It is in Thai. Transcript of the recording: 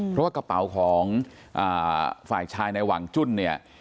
เพราะว่ากระเป๋าของฝ่ายชายในหวังจุ้นเนี่ย